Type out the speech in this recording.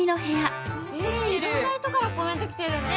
いろんな人からコメント来てるね！